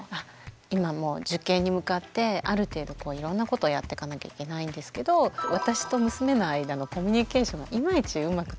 今もう受験に向かってある程度こういろんなことをやってかなきゃいけないんですけど私と娘の間のコミュニケーションがいまいちうまく取れてなくって。